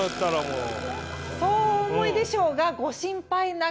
そうお思いでしょうがご心配なく。